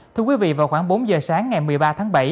thưa quý vị vào khoảng bốn giờ sáng ngày một mươi ba tháng bảy